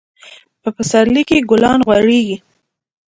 په پسرلي کي ګلان غوړيږي.